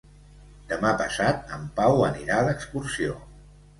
Demà passat en Pau anirà d'excursió.